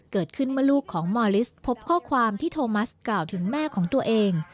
เกิดขึ้นเมื่อลูกของมอลิสพบข้อความที่โทรมัสกล่าวถึงแม่ของตัวเอง